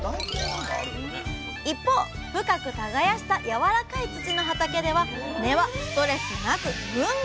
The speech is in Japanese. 一方深く耕した軟らかい土の畑では根はストレスなくぐんぐん成長！